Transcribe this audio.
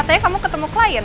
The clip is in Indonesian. katanya kamu ketemu klien